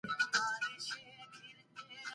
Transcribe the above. زما پلار په پکتیکا کې وفات شو او زه یتیم شوم.